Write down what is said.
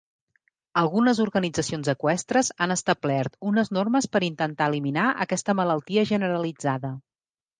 Algunes organitzacions eqüestres han establert unes normes per intentar eliminar aquesta malaltia generalitzada.